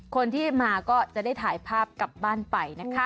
คนที่มาก็จะได้ถ่ายภาพกลับบ้านไปนะคะ